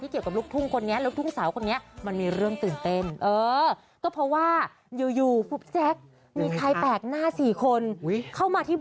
จริงตาม